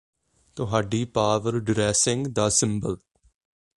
ਤੁਹਾਡੀ power dressing ਦਾ symbol